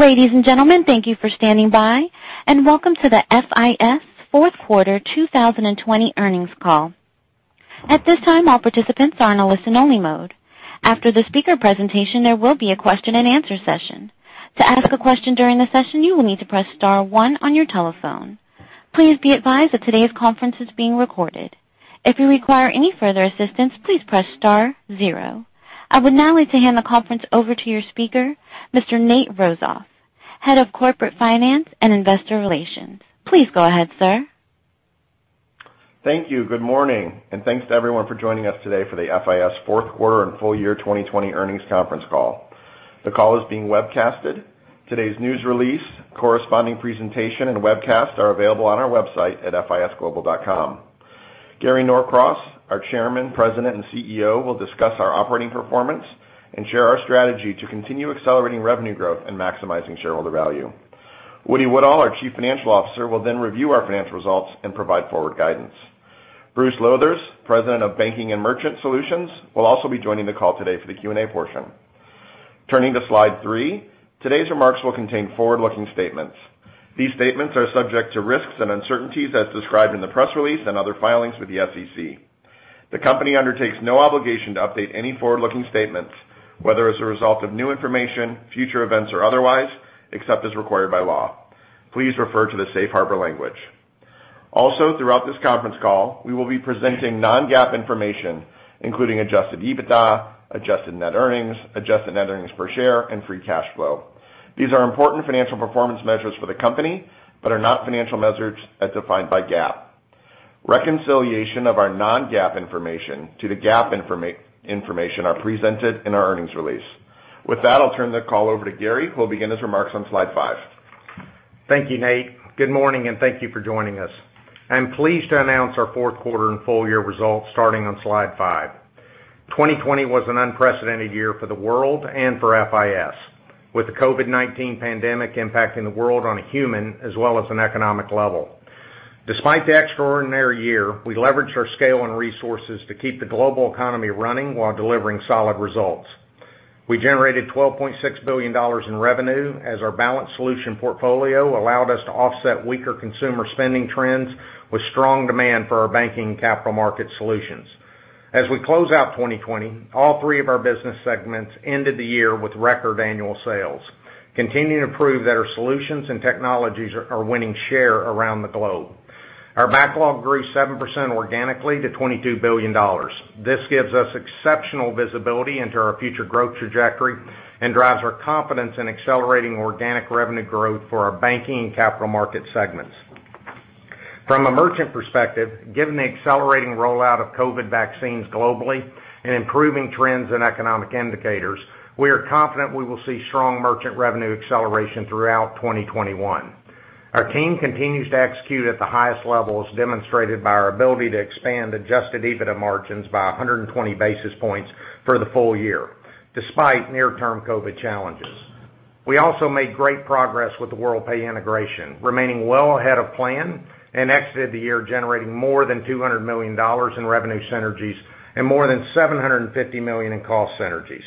Well, ladies and gentlemen, thank you for standing by, and welcome to the FIS Fourth Quarter 2020 Earnings Call. At this time, all participants are in a listen only mode. After the speaker presentation, there will be a question and answer session. To ask a question during the session, you will need to press star one on your telephone. Please be advised that today's conference is being recorded. If you require any further assistance, please press star zero. I would now like to hand the conference over to your speaker, Mr. Nate Rozof, Head of Corporate Finance and Investor Relations. Please go ahead, sir. Thank you. Good morning, and thanks to everyone for joining us today for the FIS fourth quarter and full year 2020 earnings conference call. The call is being webcasted. Today's news release, corresponding presentation, and webcast are available on our website at fisglobal.com. Gary Norcross, our Chairman, President, and CEO, will discuss our operating performance and share our strategy to continue accelerating revenue growth and maximizing shareholder value. Woody Woodall, our Chief Financial Officer, will then review our financial results and provide forward guidance. Bruce Lowthers, President of Banking and Merchant Solutions, will also be joining the call today for the Q&A portion. Turning to slide three, today's remarks will contain forward-looking statements. These statements are subject to risks and uncertainties as described in the press release and other filings with the SEC. The company undertakes no obligation to update any forward-looking statements, whether as a result of new information, future events, or otherwise, except as required by law. Please refer to the safe harbor language. Also, throughout this conference call, we will be presenting non-GAAP information, including adjusted EBITDA, adjusted net earnings, adjusted net earnings per share, and free cash flow. These are important financial performance measures for the company but are not financial measures as defined by GAAP. Reconciliation of our non-GAAP information to the GAAP information are presented in our earnings release. With that, I'll turn the call over to Gary, who will begin his remarks on slide five. Thank you, Nate. Good morning, and thank you for joining us. I'm pleased to announce our fourth quarter and full year results starting on slide five. 2020 was an unprecedented year for the world and for FIS, with the COVID-19 pandemic impacting the world on a human as well as an economic level. Despite the extraordinary year, we leveraged our scale and resources to keep the global economy running while delivering solid results. We generated $12.6 billion in revenue as our balanced solution portfolio allowed us to offset weaker consumer spending trends with strong demand for our banking capital market solutions. As we close out 2020, all three of our business segments ended the year with record annual sales, continuing to prove that our solutions and technologies are winning share around the globe. Our backlog grew 7% organically to $22 billion. This gives us exceptional visibility into our future growth trajectory and drives our confidence in accelerating organic revenue growth for our banking and capital market segments. From a merchant perspective, given the accelerating rollout of COVID vaccines globally and improving trends in economic indicators, we are confident we will see strong merchant revenue acceleration throughout 2021. Our team continues to execute at the highest levels, demonstrated by our ability to expand adjusted EBITDA margins by 120 basis points for the full year, despite near-term COVID challenges. We also made great progress with the Worldpay integration, remaining well ahead of plan, and exited the year generating more than $200 million in revenue synergies and more than $750 million in cost synergies.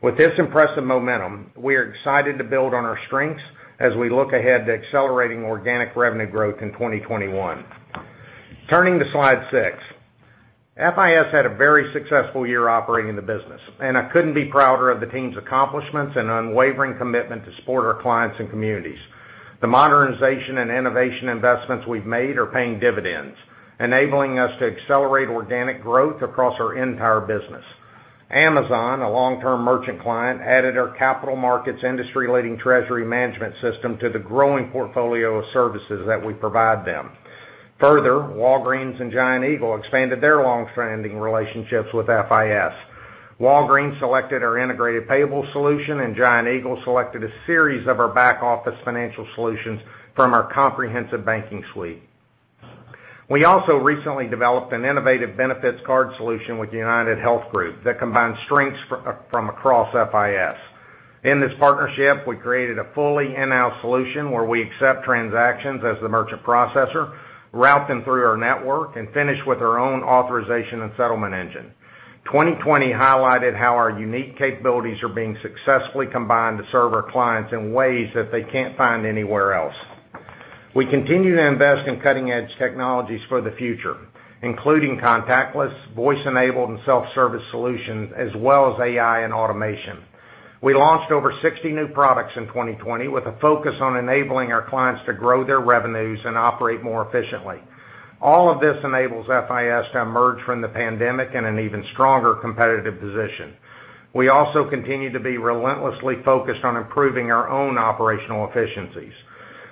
With this impressive momentum, we are excited to build on our strengths as we look ahead to accelerating organic revenue growth in 2021. Turning to slide six. FIS had a very successful year operating the business, and I couldn't be prouder of the team's accomplishments and unwavering commitment to support our clients and communities. The modernization and innovation investments we've made are paying dividends, enabling us to accelerate organic growth across our entire business. Amazon, a long-term merchant client, added our capital markets industry-leading treasury management system to the growing portfolio of services that we provide them. Further, Walgreens and Giant Eagle expanded their long-standing relationships with FIS. Walgreens selected our Integrated Payables solution, and Giant Eagle selected a series of our back-office financial solutions from our comprehensive banking suite. We also recently developed an innovative benefits card solution with UnitedHealth Group that combines strengths from across FIS. In this partnership, we created a fully in-house solution where we accept transactions as the merchant processor, route them through our network, and finish with our own authorization and settlement engine. 2020 highlighted how our unique capabilities are being successfully combined to serve our clients in ways that they can't find anywhere else. We continue to invest in cutting-edge technologies for the future, including contactless, voice-enabled, and self-service solutions, as well as AI and automation. We launched over 60 new products in 2020, with a focus on enabling our clients to grow their revenues and operate more efficiently. All of this enables FIS to emerge from the pandemic in an even stronger competitive position. We also continue to be relentlessly focused on improving our own operational efficiencies.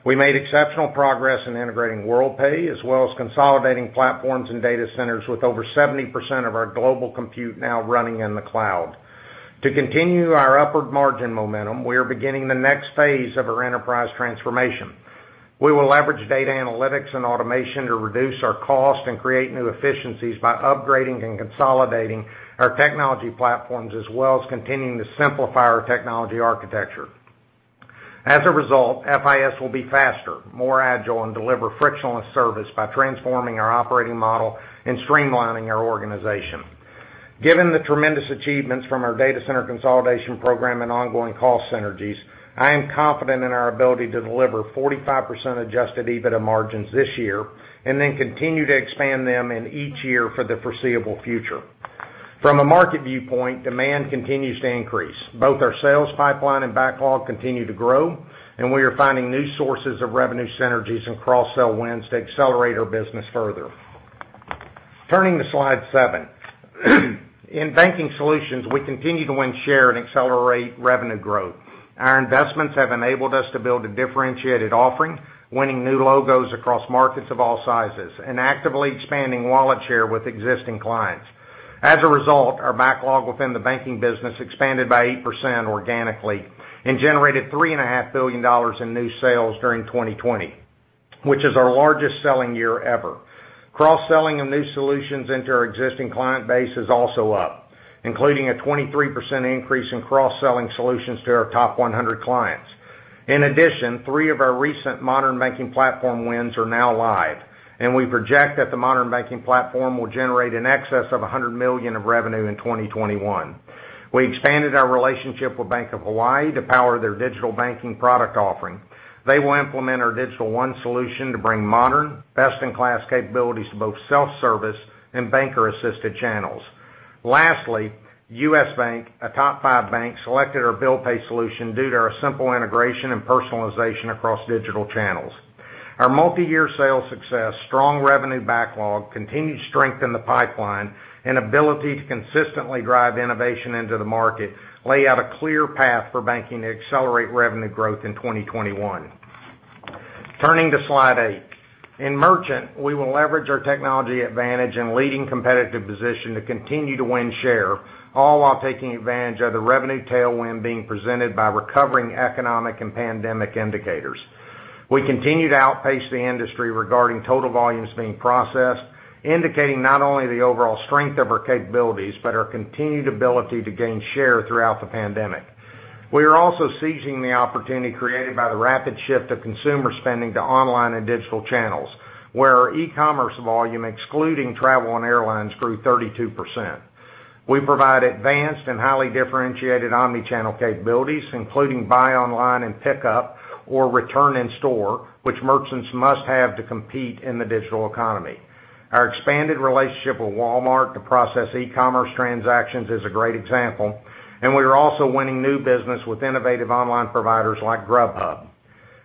We made exceptional progress in integrating Worldpay, as well as consolidating platforms and data centers, with over 70% of our global compute now running in the cloud. To continue our upward margin momentum, we are beginning the next phase of our enterprise transformation. We will leverage data analytics and automation to reduce our cost and create new efficiencies by upgrading and consolidating our technology platforms, as well as continuing to simplify our technology architecture. As a result, FIS will be faster, more agile, and deliver frictionless service by transforming our operating model and streamlining our organization. Given the tremendous achievements from our data center consolidation program and ongoing cost synergies, I am confident in our ability to deliver 45% adjusted EBITDA margins this year, and then continue to expand them in each year for the foreseeable future. From a market viewpoint, demand continues to increase. Both our sales pipeline and backlog continue to grow, and we are finding new sources of revenue synergies and cross-sell wins to accelerate our business further. Turning to slide seven. In banking solutions, we continue to win share and accelerate revenue growth. Our investments have enabled us to build a differentiated offering, winning new logos across markets of all sizes, and actively expanding wallet share with existing clients. As a result, our backlog within the banking business expanded by 8% organically and generated $3.5 billion in new sales during 2020, which is our largest selling year ever. Cross-selling of new solutions into our existing client base is also up, including a 23% increase in cross-selling solutions to our top 100 clients. In addition, three of our recent Modern Banking Platform wins are now live, and we project that the Modern Banking Platform will generate in excess of $100 million of revenue in 2021. We expanded our relationship with Bank of Hawaii to power their digital banking product offering. They will implement our Digital One solution to bring modern, best-in-class capabilities to both self-service and banker-assisted channels. Lastly, US Bank, a top five bank, selected our Bill Pay solution due to our simple integration and personalization across digital channels. Our multi-year sales success, strong revenue backlog, continued strength in the pipeline, and ability to consistently drive innovation into the market lay out a clear path for banking to accelerate revenue growth in 2021. Turning to slide eight. In merchant, we will leverage our technology advantage and leading competitive position to continue to win share, all while taking advantage of the revenue tailwind being presented by recovering economic and pandemic indicators. We continue to outpace the industry regarding total volumes being processed, indicating not only the overall strength of our capabilities, but our continued ability to gain share throughout the pandemic. We are also seizing the opportunity created by the rapid shift of consumer spending to online and digital channels, where our e-commerce volume, excluding travel and airlines, grew 32%. We provide advanced and highly differentiated omni-channel capabilities, including buy online and pickup, or return in store, which merchants must have to compete in the digital economy. Our expanded relationship with Walmart to process e-commerce transactions is a great example, and we are also winning new business with innovative online providers like Grubhub.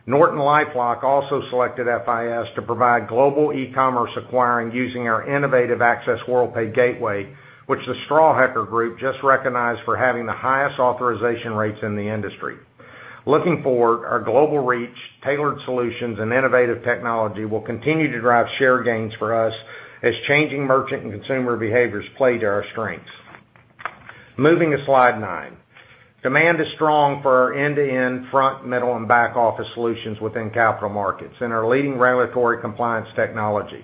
NortonLifeLock also selected FIS to provide global e-commerce acquiring using our innovative Access Worldpay gateway, which The Strawhecker Group just recognized for having the highest authorization rates in the industry. Looking forward, our global reach, tailored solutions, and innovative technology will continue to drive share gains for us as changing merchant and consumer behaviors play to our strengths. Moving to slide nine. Demand is strong for our end-to-end front, middle, and back-office solutions within capital markets and our leading regulatory compliance technology.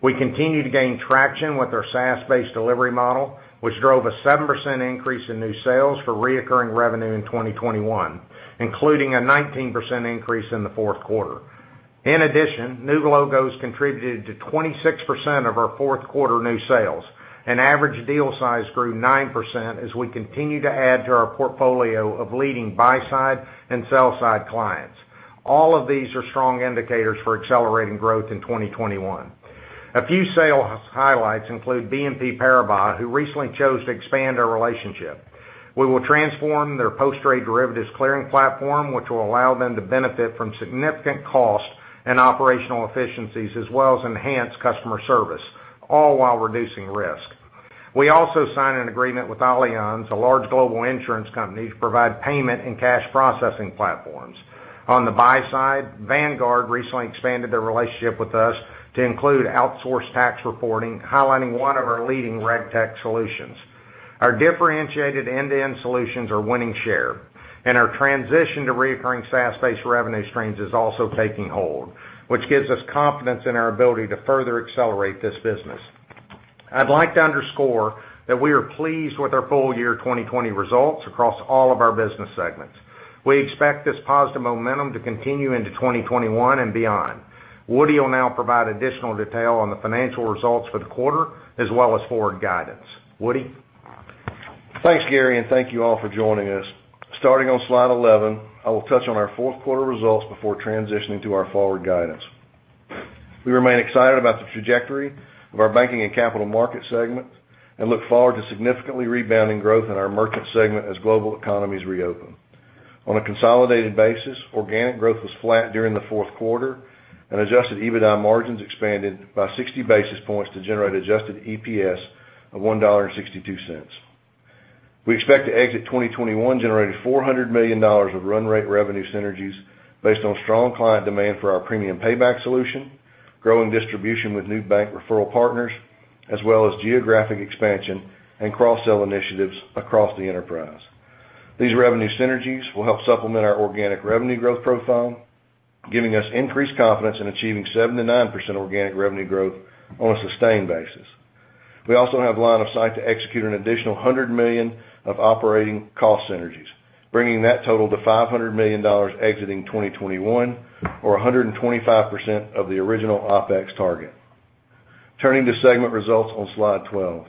We continue to gain traction with our SaaS-based delivery model, which drove a 7% increase in new sales for reoccurring revenue in 2021, including a 19% increase in the fourth quarter. In addition, new logos contributed to 26% of our fourth quarter new sales, and average deal size grew 9% as we continue to add to our portfolio of leading buy-side and sell-side clients. All of these are strong indicators for accelerating growth in 2021. A few sales highlights include BNP Paribas, who recently chose to expand our relationship. We will transform their post-trade derivatives clearing platform, which will allow them to benefit from significant cost and operational efficiencies as well as enhance customer service, all while reducing risk. We also signed an agreement with Allianz, a large global insurance company, to provide payment and cash processing platforms. On the buy side, Vanguard recently expanded their relationship with us to include outsourced tax reporting, highlighting one of our leading RegTech solutions. Our differentiated end-to-end solutions are winning share, and our transition to reoccurring SaaS-based revenue streams is also taking hold, which gives us confidence in our ability to further accelerate this business. I'd like to underscore that we are pleased with our full year 2020 results across all of our business segments. We expect this positive momentum to continue into 2021 and beyond. Woody will now provide additional detail on the financial results for the quarter as well as forward guidance. Woody? Thanks, Gary, thank you all for joining us. Starting on slide 11, I will touch on our fourth quarter results before transitioning to our forward guidance. We remain excited about the trajectory of our banking and capital markets segments and look forward to significantly rebounding growth in our merchant segment as global economies reopen. On a consolidated basis, organic growth was flat during the fourth quarter, and adjusted EBITDA margins expanded by 60 basis points to generate adjusted EPS of $1.62. We expect to exit 2021 generating $400 million of run rate revenue synergies based on strong client demand for our Premium Payback solution, growing distribution with new bank referral partners, as well as geographic expansion and cross-sell initiatives across the enterprise. These revenue synergies will help supplement our organic revenue growth profile, giving us increased confidence in achieving 7%-9% organic revenue growth on a sustained basis. We also have line of sight to execute an additional $100 million of operating cost synergies. Bringing that total to $500 million exiting 2021, or 125% of the original OpEx target. Turning to segment results on slide 12.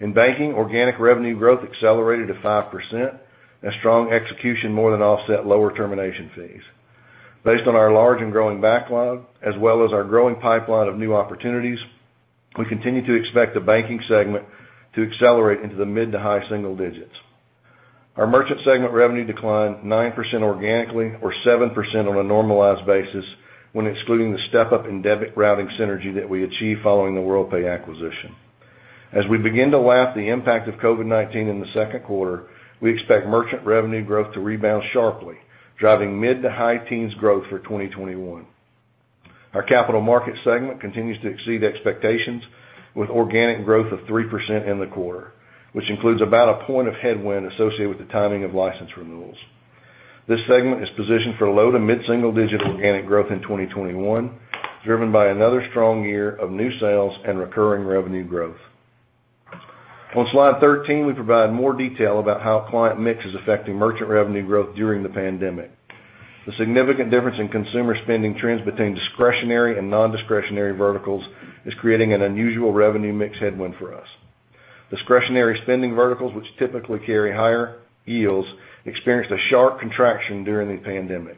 In banking, organic revenue growth accelerated to 5%, and strong execution more than offset lower termination fees. Based on our large and growing backlog, as well as our growing pipeline of new opportunities, we continue to expect the banking segment to accelerate into the mid to high single digits. Our merchant segment revenue declined 9% organically, or 7% on a normalized basis when excluding the step-up in debit routing synergy that we achieved following the Worldpay acquisition. As we begin to lap the impact of COVID-19 in the second quarter, we expect merchant revenue growth to rebound sharply, driving mid to high teens growth for 2021. Our Capital Markets segment continues to exceed expectations with organic growth of 3% in the quarter, which includes about one point of headwind associated with the timing of license renewals. This segment is positioned for low to mid single-digit organic growth in 2021, driven by another strong year of new sales and recurring revenue growth. On slide 13, we provide more detail about how client mix is affecting Merchant revenue growth during the pandemic. The significant difference in consumer spending trends between discretionary and non-discretionary verticals is creating an unusual revenue mix headwind for us. Discretionary spending verticals, which typically carry higher yields, experienced a sharp contraction during the pandemic.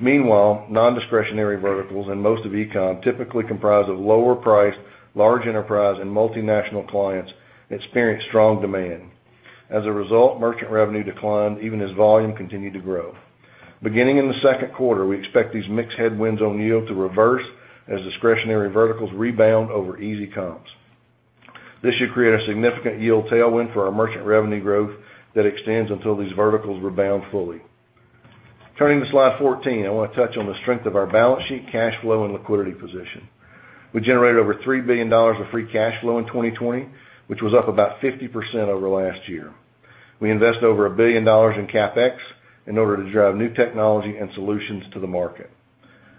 Meanwhile, non-discretionary verticals and most of e-commerce, typically comprise of lower priced, large enterprise, and multinational clients, experienced strong demand. As a result, Merchant revenue declined even as volume continued to grow. Beginning in the second quarter, we expect these mix headwinds on yield to reverse as discretionary verticals rebound over easy comps. This should create a significant yield tailwind for our merchant revenue growth that extends until these verticals rebound fully. Turning to slide 14, I want to touch on the strength of our balance sheet, cash flow, and liquidity position. We generated over $3 billion of free cash flow in 2020, which was up about 50% over last year. We invest over $1 billion in CapEx in order to drive new technology and solutions to the market.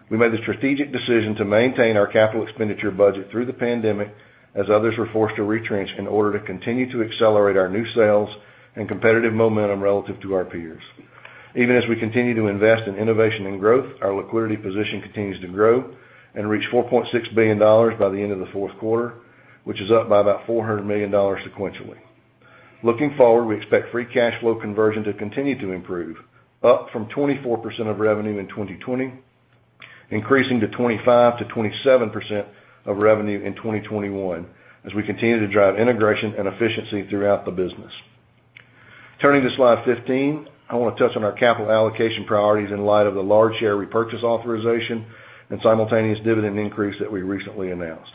We made the strategic decision to maintain our capital expenditure budget through the pandemic as others were forced to retrench in order to continue to accelerate our new sales and competitive momentum relative to our peers. Even as we continue to invest in innovation and growth, our liquidity position continues to grow and reach $4.6 billion by the end of the fourth quarter, which is up by about $400 million sequentially. Looking forward, we expect free cash flow conversion to continue to improve, up from 24% of revenue in 2020, increasing to 25%-27% of revenue in 2021 as we continue to drive integration and efficiency throughout the business. Turning to slide 15, I want to touch on our capital allocation priorities in light of the large share repurchase authorization and simultaneous dividend increase that we recently announced.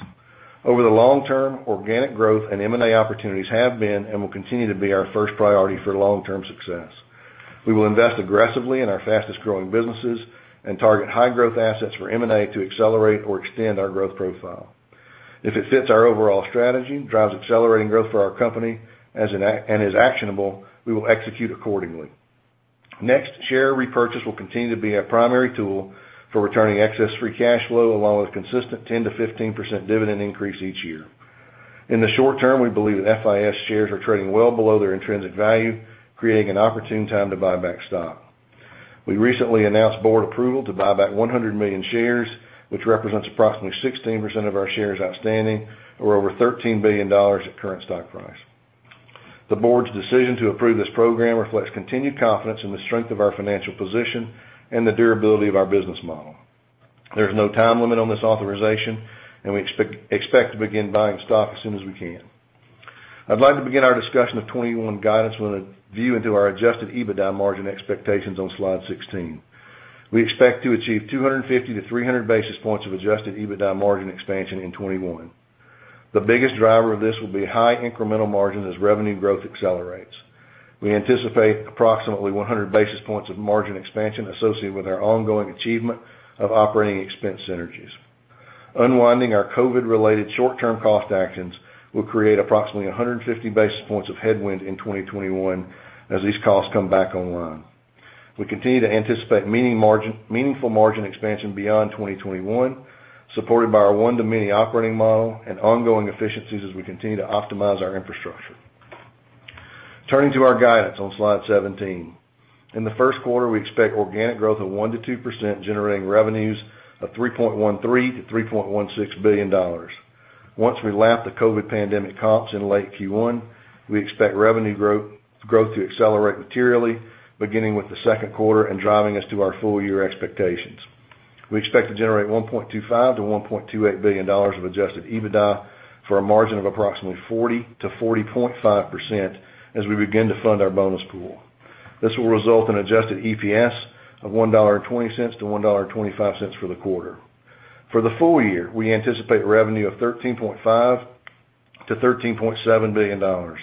Over the long term, organic growth and M&A opportunities have been and will continue to be our first priority for long-term success. We will invest aggressively in our fastest-growing businesses and target high-growth assets for M&A to accelerate or extend our growth profile. If it fits our overall strategy, drives accelerating growth for our company, and is actionable, we will execute accordingly. Share repurchase will continue to be a primary tool for returning excess free cash flow along with consistent 10%-15% dividend increase each year. In the short term, we believe that FIS shares are trading well below their intrinsic value, creating an opportune time to buy back stock. We recently announced board approval to buy back 100 million shares, which represents approximately 16% of our shares outstanding or over $13 billion at current stock price. The board's decision to approve this program reflects continued confidence in the strength of our financial position and the durability of our business model. There's no time limit on this authorization, and we expect to begin buying stock as soon as we can. I'd like to begin our discussion of 2021 guidance with a view into our adjusted EBITDA margin expectations on slide 16. We expect to achieve 250-300 basis points of adjusted EBITDA margin expansion in 2021. The biggest driver of this will be high incremental margin as revenue growth accelerates. We anticipate approximately 100 basis points of margin expansion associated with our ongoing achievement of operating expense synergies. Unwinding our COVID-related short-term cost actions will create approximately 150 basis points of headwind in 2021 as these costs come back online. We continue to anticipate meaningful margin expansion beyond 2021, supported by our one-to-many operating model and ongoing efficiencies as we continue to optimize our infrastructure. Turning to our guidance on slide 17. In the first quarter, we expect organic growth of 1%-2%, generating revenues of $3.13 billion-$3.16 billion. Once we lap the COVID-19 pandemic comps in late Q1, we expect revenue growth to accelerate materially, beginning with the second quarter and driving us to our full year expectations. We expect to generate $1.25 billion-$1.28 billion of adjusted EBITDA for a margin of approximately 40%-40.5% as we begin to fund our bonus pool. This will result in adjusted EPS of $1.20-$1.25 for the quarter. For the full year, we anticipate revenue of $13.5 billion-$13.7 billion.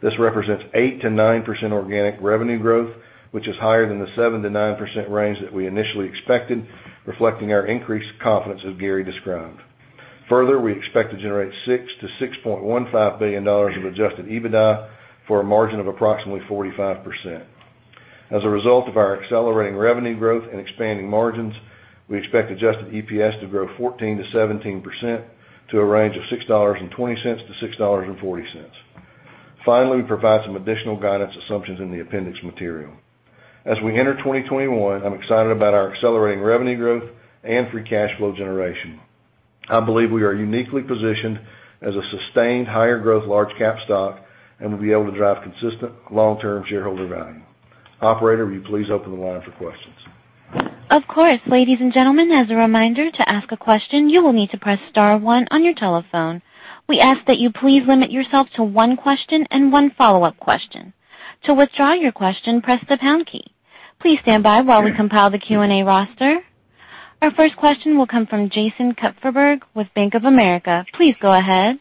This represents 8%-9% organic revenue growth, which is higher than the 7%-9% range that we initially expected, reflecting our increased confidence, as Gary described. Further, we expect to generate $6 billion-$6.15 billion of adjusted EBITDA for a margin of approximately 45%. As a result of our accelerating revenue growth and expanding margins, we expect adjusted EPS to grow 14%-17%, to a range of $6.20-$6.40. Finally, we provide some additional guidance assumptions in the appendix material. As we enter 2021, I'm excited about our accelerating revenue growth and free cash flow generation. I believe we are uniquely positioned as a sustained higher growth large cap stock, and we'll be able to drive consistent long-term shareholder value. Operator, will you please open the line for questions? Of course. Ladies and gentlemen, as a reminder to ask a question, you will need to press one on your telephone. We ask that you please limit yourself to one question and one follow-up question. To withdraw you question, please press the pound key. Please stand by while we compile the Q&A roster. Our first question will come from Jason Kupferberg with Bank of America. Please go ahead.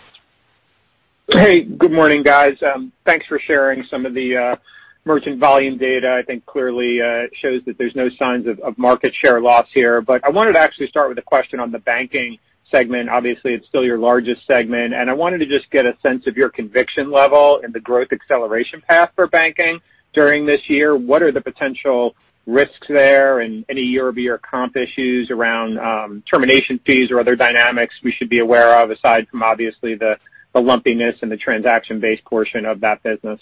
Hey, good morning, guys. Thanks for sharing some of the merchant volume data. I think clearly it shows that there's no signs of market share loss here. I wanted to actually start with a question on the banking segment. Obviously, it's still your largest segment, and I wanted to just get a sense of your conviction level in the growth acceleration path for banking during this year. What are the potential risks there and any year-over-year comp issues around termination fees or other dynamics we should be aware of, aside from obviously the lumpiness and the transaction-based portion of that business?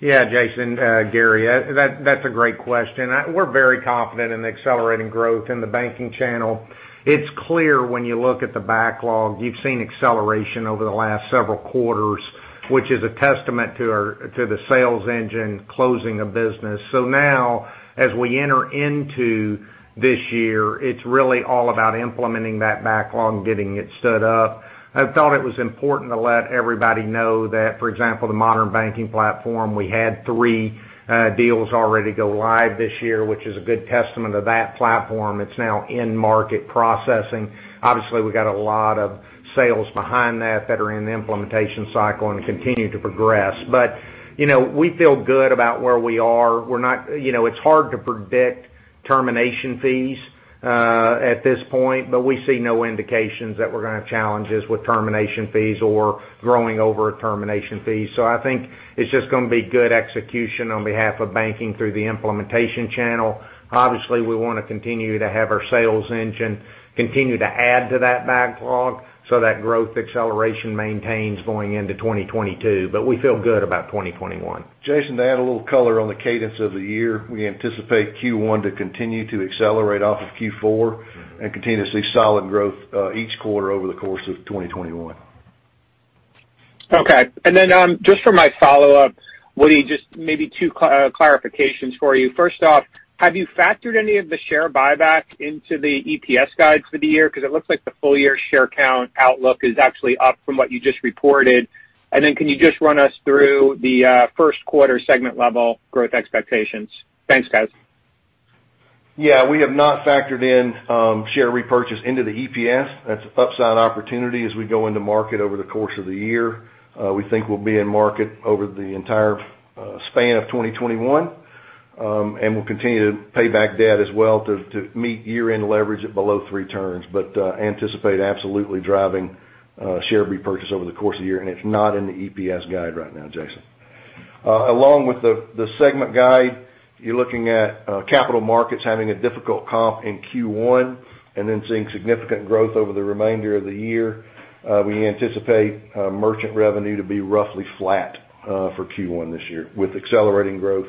Jason, Gary, that's a great question. We're very confident in the accelerating growth in the banking channel. It's clear when you look at the backlog, you've seen acceleration over the last several quarters, which is a testament to the sales engine closing a business. Now as we enter into this year, it's really all about implementing that backlog, getting it stood up. I thought it was important to let everybody know that, for example, the Modern Banking Platform, we had three deals already go live this year, which is a good testament to that platform. It's now in-market processing. Obviously, we got a lot of sales behind that that are in the implementation cycle and continue to progress. We feel good about where we are. It's hard to predict termination fees at this point, but we see no indications that we're going to have challenges with termination fees or growing over a termination fee. I think it's just going to be good execution on behalf of banking through the implementation channel. Obviously, we want to continue to have our sales engine continue to add to that backlog so that growth acceleration maintains going into 2022. We feel good about 2021. Jason, to add a little color on the cadence of the year, we anticipate Q1 to continue to accelerate off of Q4 and continue to see solid growth each quarter over the course of 2021. Okay. Just for my follow-up, Woody, just maybe two clarifications for you. First off, have you factored any of the share buyback into the EPS guides for the year? It looks like the full-year share count outlook is actually up from what you just reported. Can you just run us through the first quarter segment level growth expectations? Thanks, guys. We have not factored in share repurchase into the EPS. That's an upside opportunity as we go into market over the course of the year. We think we'll be in market over the entire span of 2021, and we'll continue to pay back debt as well to meet year-end leverage at below three turns. Anticipate absolutely driving share repurchase over the course of the year, and it's not in the EPS guide right now, Jason. The segment guide, you're looking at capital markets having a difficult comp in Q1 and then seeing significant growth over the remainder of the year. We anticipate merchant revenue to be roughly flat for Q1 this year, with accelerating growth,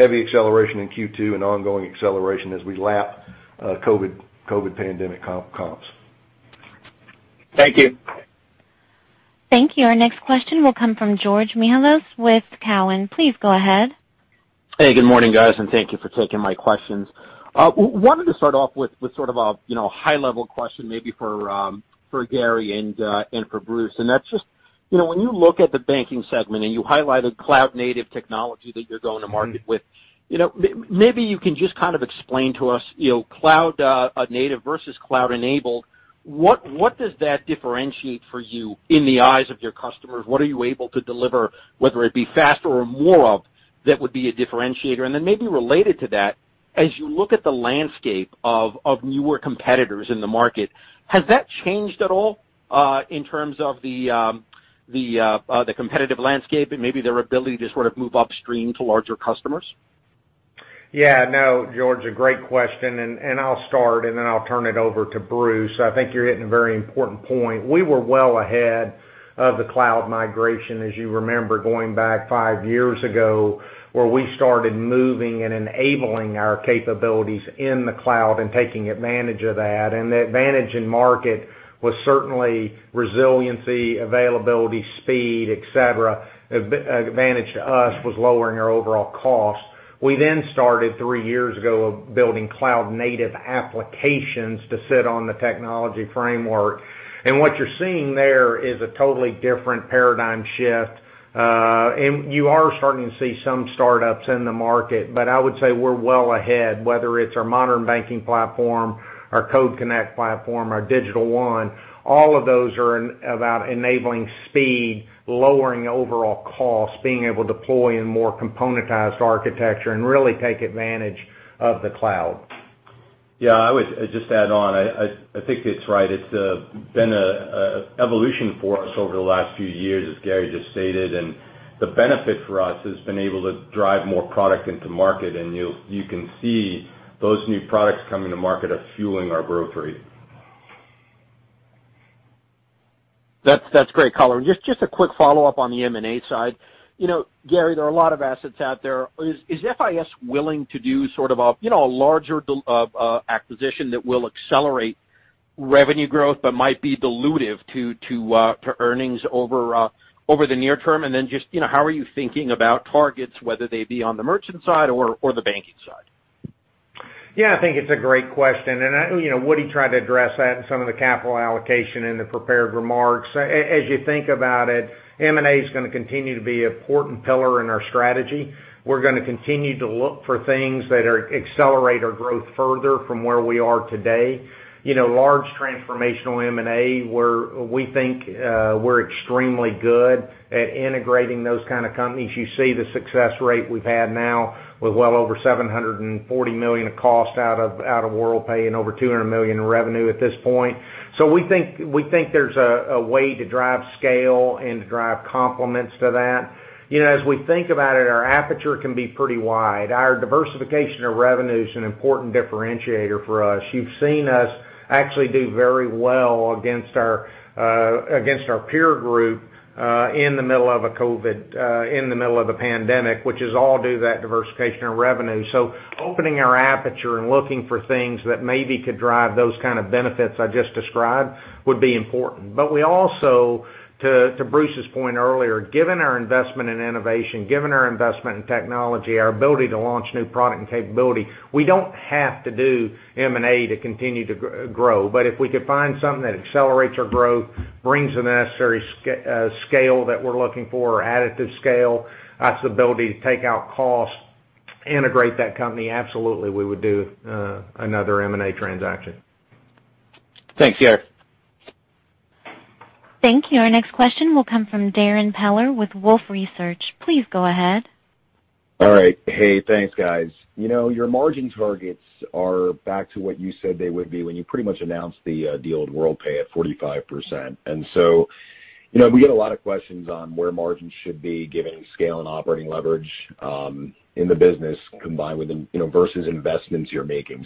heavy acceleration in Q2 and ongoing acceleration as we lap COVID-19 pandemic comps. Thank you. Thank you. Our next question will come from George Mihalos with Cowen. Please go ahead. Hey, good morning, guys. Thank you for taking my questions. Wanted to start off with sort of a high-level question maybe for Gary and for Bruce. That's just when you look at the banking segment and you highlighted cloud-native technology that you're going to market with, maybe you can just kind of explain to us cloud-native versus cloud-enabled. What does that differentiate for you in the eyes of your customers? What are you able to deliver, whether it be faster or more of, that would be a differentiator? Maybe related to that, as you look at the landscape of newer competitors in the market, has that changed at all in terms of the competitive landscape and maybe their ability to sort of move upstream to larger customers? Yeah. No, George, a great question, and I'll start and then I'll turn it over to Bruce. I think you're hitting a very important point. We were well ahead of the cloud migration, as you remember going back five years ago, where we started moving and enabling our capabilities in the cloud and taking advantage of that. The advantage in market was certainly resiliency, availability, speed, et cetera. Advantage to us was lowering our overall cost. We then started three years ago of building cloud-native applications to sit on the technology framework. What you're seeing there is a totally different paradigm shift. You are starting to see some startups in the market, but I would say we're well ahead, whether it's our Modern Banking Platform, our Code Connect platform, our Digital One, all of those are about enabling speed, lowering overall cost, being able to deploy in more componentized architecture and really take advantage of the cloud. Yeah. I would just add on, I think it's right. It's been an evolution for us over the last few years, as Gary just stated. The benefit for us has been able to drive more product into market, and you can see those new products coming to market are fueling our growth rate. That's great color. Just a quick follow-up on the M&A side. Gary, there are a lot of assets out there. Is FIS willing to do a larger acquisition that will accelerate revenue growth but might be dilutive to earnings over the near term? Then just how are you thinking about targets, whether they be on the merchant side or the banking side? I think it's a great question, and Woody tried to address that in some of the capital allocation in the prepared remarks. You think about it, M&A is going to continue to be an important pillar in our strategy. We're going to continue to look for things that accelerate our growth further from where we are today. Large transformational M&A, we think we're extremely good at integrating those kind of companies. You see the success rate we've had now with well over $740 million of cost out of Worldpay and over $200 million in revenue at this point. We think there's a way to drive scale and to drive complements to that. We think about it, our aperture can be pretty wide. Our diversification of revenue is an important differentiator for us. You've seen us actually do very well against our peer group, in the middle of a pandemic, which is all due to that diversification of revenue. Opening our aperture and looking for things that maybe could drive those kind of benefits I just described would be important. We also, to Bruce's point earlier, given our investment in innovation, given our investment in technology, our ability to launch new product and capability, we don't have to do M&A to continue to grow. If we could find something that accelerates our growth, brings the necessary scale that we're looking for, or additive scale, has the ability to take out cost, integrate that company, absolutely, we would do another M&A transaction. Thanks, Gary. Thank you. Our next question will come from Darrin Peller with Wolfe Research. Please go ahead. All right. Hey, thanks guys. Your margin targets are back to what you said they would be when you pretty much announced the deal at Worldpay at 45%. We get a lot of questions on where margins should be given scale and operating leverage in the business combined versus investments you're making.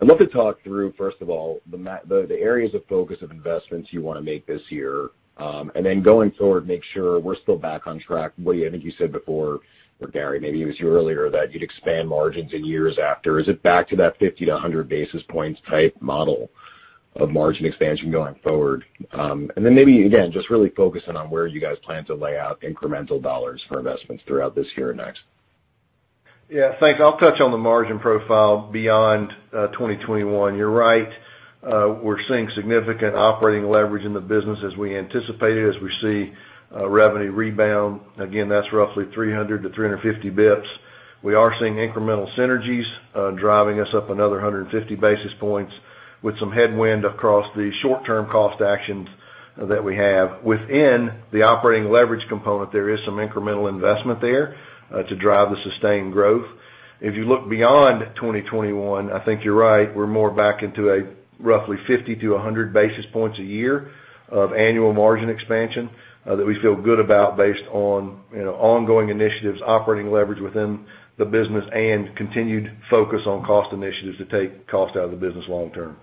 I'd love to talk through, first of all, the areas of focus of investments you want to make this year, and then going forward, make sure we're still back on track. Woody, I think you said before, or Gary, maybe it was you earlier, that you'd expand margins in years after. Is it back to that 50-100 basis points type model of margin expansion going forward? Maybe, again, just really focusing on where you guys plan to lay out incremental dollars for investments throughout this year and next. Yeah. Thanks. I'll touch on the margin profile beyond 2021. You're right. We're seeing significant operating leverage in the business as we anticipated, as we see revenue rebound. Again, that's roughly 300-350 basis points. We are seeing incremental synergies driving us up another 150 basis points with some headwind across the short-term cost actions that we have. Within the operating leverage component, there is some incremental investment there to drive the sustained growth. If you look beyond 2021, I think you're right. We're more back into a roughly 50-100 basis points a year of annual margin expansion that we feel good about based on ongoing initiatives, operating leverage within the business, and continued focus on cost initiatives to take cost out of the business long term.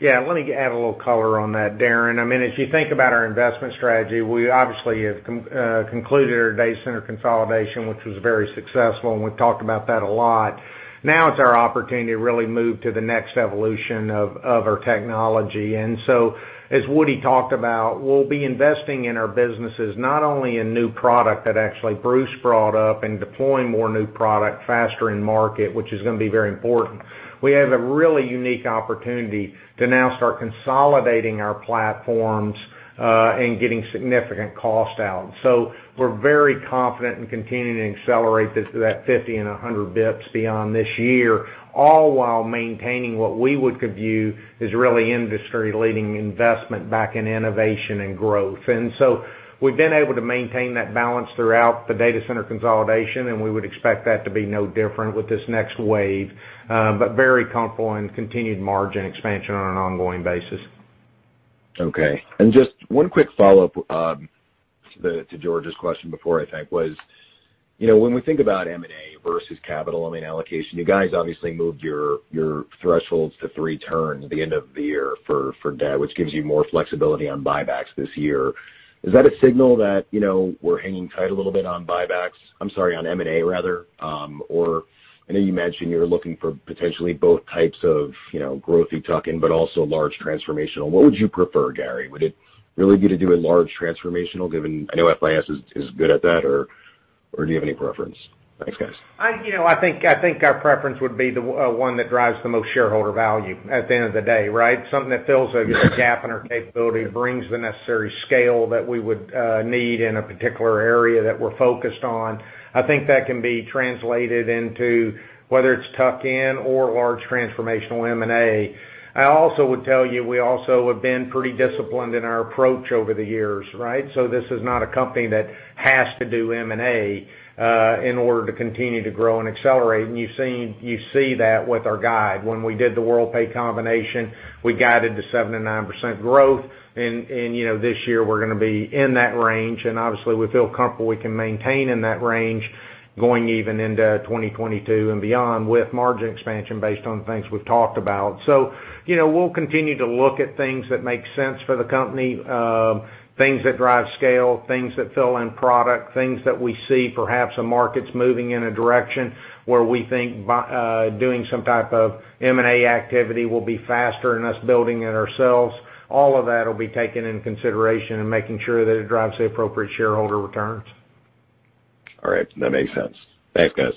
Yeah, let me add a little color on that, Darrin. If you think about our investment strategy, we obviously have concluded our data center consolidation, which was very successful, and we've talked about that a lot. Now it's our opportunity to really move to the next evolution of our technology. As Woody talked about, we'll be investing in our businesses, not only in new product that actually Bruce brought up and deploying more new product faster in market, which is going to be very important. We have a really unique opportunity to now start consolidating our platforms, and getting significant cost out. We're very confident in continuing to accelerate that 50 and 100 basis points beyond this year, all while maintaining what we would view as really industry-leading investment back in innovation and growth. We've been able to maintain that balance throughout the data center consolidation, and we would expect that to be no different with this next wave, but very comfortable in continued margin expansion on an ongoing basis. Okay. Just one quick follow-up to George's question before, I think, was when we think about M&A versus capital allocation, you guys obviously moved your thresholds to three turns at the end of the year for debt, which gives you more flexibility on buybacks this year. Is that a signal that we're hanging tight a little bit on M&A? I know you mentioned you're looking for potentially both types of growth you tuck in, but also large transformational. What would you prefer, Gary? Would it really be to do a large transformational given, I know FIS is good at that or do you have any preference? Thanks, guys. I think our preference would be the one that drives the most shareholder value at the end of the day, right? Something that fills a gap in our capability, brings the necessary scale that we would need in a particular area that we're focused on. I think that can be translated into whether it's tuck-in or large transformational M&A. I also would tell you, we also have been pretty disciplined in our approach over the years, right? This is not a company that has to do M&A in order to continue to grow and accelerate, and you see that with our guide. When we did the Worldpay combination, we guided to 7%-9% growth. This year we're going to be in that range, and obviously we feel comfortable we can maintain in that range going even into 2022 and beyond with margin expansion based on the things we've talked about. We'll continue to look at things that make sense for the company, things that drive scale, things that fill in product, things that we see perhaps a market's moving in a direction where we think doing some type of M&A activity will be faster than us building it ourselves. All of that will be taken into consideration and making sure that it drives the appropriate shareholder returns. All right. That makes sense. Thanks, guys.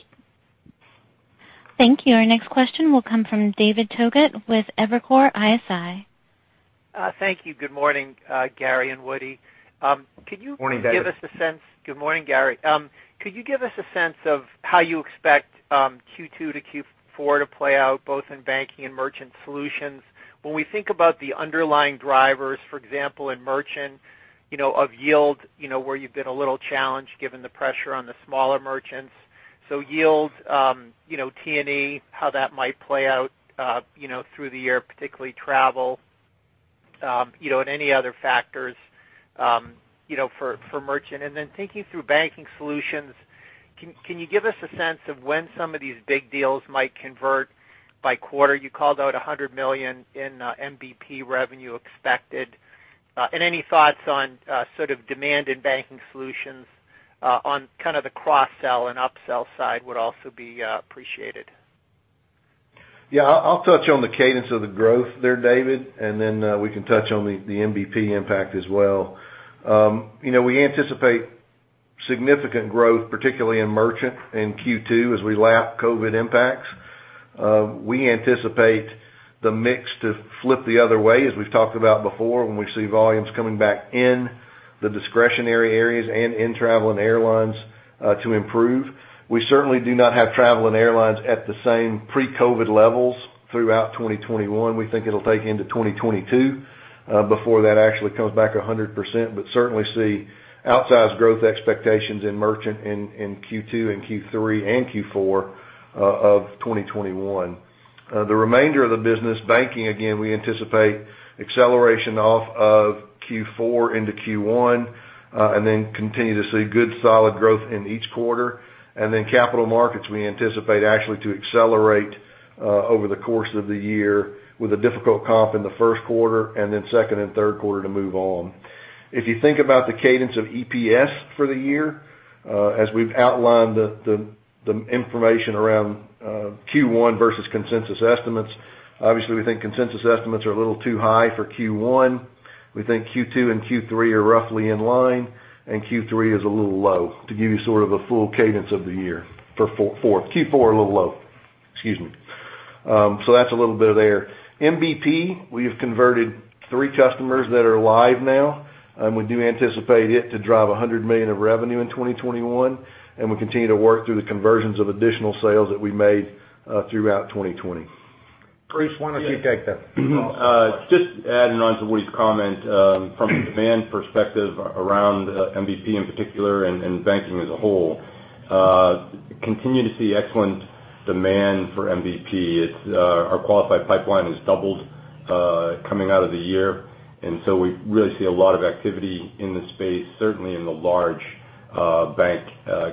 Thank you. Our next question will come from David Togut with Evercore ISI. Thank you. Good morning, Gary and Woody. Morning, David. Good morning, Gary. Could you give us a sense of how you expect Q2-Q4 to play out, both in banking and merchant solutions? When we think about the underlying drivers, for example, in merchant, of yield, where you've been a little challenged given the pressure on the smaller merchants. Yield, T&E, how that might play out through the year, particularly travel, and any other factors for merchant. Thinking through banking solutions, can you give us a sense of when some of these big deals might convert by quarter? You called out $100 million in MBP revenue expected. Any thoughts on sort of demand in banking solutions on kind of the cross-sell and up-sell side would also be appreciated. I'll touch on the cadence of the growth there, David, and then we can touch on the MBP impact as well. We anticipate significant growth, particularly in merchant in Q2 as we lap COVID impacts. We anticipate the mix to flip the other way, as we've talked about before, when we see volumes coming back in the discretionary areas and in travel and airlines to improve. We certainly do not have travel and airlines at the same pre-COVID levels throughout 2021. We think it'll take into 2022 before that actually comes back 100%, but certainly see outsized growth expectations in merchant in Q2 and Q3 and Q4 of 2021. The remainder of the business, banking, again, we anticipate acceleration off of Q4 into Q1, and then continue to see good solid growth in each quarter. Capital markets, we anticipate actually to accelerate over the course of the year with a difficult comp in the first quarter and then second and third quarter to move on. You think about the cadence of EPS for the year, as we've outlined the information around Q1 versus consensus estimates, obviously we think consensus estimates are a little too high for Q1. We think Q2 and Q3 are roughly in line, and Q3 is a little low, to give you sort of a full cadence of the year. Q4 a little low, excuse me. That's a little bit of there. MBP, we've converted three customers that are live now, and we do anticipate it to drive $100 million of revenue in 2021, and we continue to work through the conversions of additional sales that we made throughout 2020. Bruce, why don't you take that? Just adding on to Woody's comment, from a demand perspective around MBP in particular and banking as a whole, continue to see excellent demand for MBP. Our qualified pipeline has doubled coming out of the year, and so we really see a lot of activity in the space, certainly in the large bank